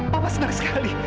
papa senang sekali